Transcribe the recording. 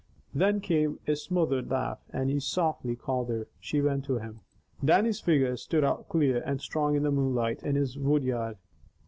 Then came a smothered laugh and he softly called her. She went to him. Dannie's figure stood out clear and strong in the moonlight, in his wood yard.